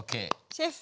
シェフ。